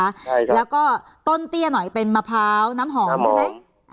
ใช่ครับแล้วก็ต้นเตี้ยหน่อยเป็นมะพร้าวน้ำหอมใช่ไหม